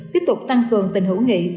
tiếp tục tăng cường tình hữu nghị